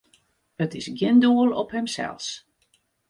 It is gjin doel op himsels.